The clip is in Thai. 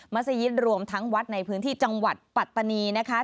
สยิตรวมทั้งวัดในพื้นที่จังหวัดปัตตานีนะคะ